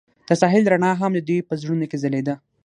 د ساحل رڼا هم د دوی په زړونو کې ځلېده.